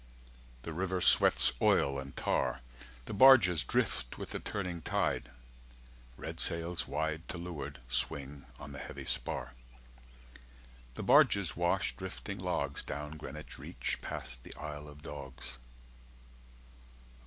The river sweats Oil and tar The barges drift With the turning tide Red sails 270 Wide To leeward, swing on the heavy spar. The barges wash Drifting logs Down Greenwich reach Past the Isle of Dogs.